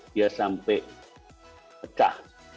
dia sampai pecah